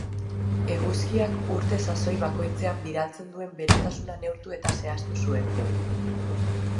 Eguzkiak urte-sasoi bakoitzean bidaltzen duen berotasuna neurtu eta zehaztu zuen.